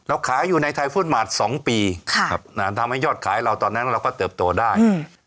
เราขายอยู่ในไทยฟู้ดมาตรสองปีค่ะอ่าทำให้ยอดขายเราตอนนั้นเราก็เติบโตได้อืม